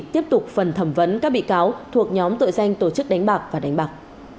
tiếp tục phần thẩm vấn các bị cáo thuộc nhóm tội danh tổ chức đánh bạc và đánh bạc